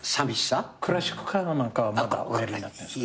クラシックカーなんかはまだおやりになってるんですか？